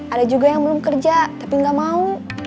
ada juga yang belum kerja tapi nggak mau